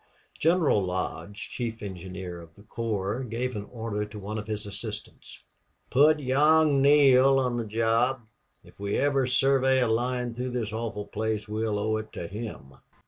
General Lodge, chief engineer of the corps, gave an order to one of his assistants. "Put young Neale on the job. If we ever survey a line through this awful place we'll owe it to him."